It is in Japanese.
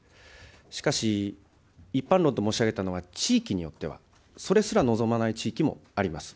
しかし、一般論と申し上げたのは、地域によってはそれすら望まない地域もあります。